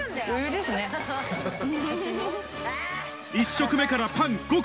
１食目からパン５個